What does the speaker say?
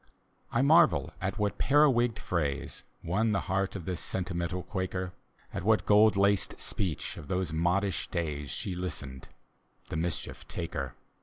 I marvel much what periwigged phrase Won the heart of this sentimental Quaker, At what gold laced speech of those modish days She listened, — the mischief take her!